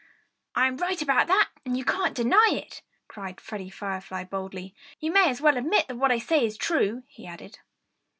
"I'm right about that and you can't deny it!" cried Freddie Firefly boldly. "You may as well admit that what I say is true," he added.